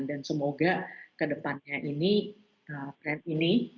dan semoga kedepannya ini trend ini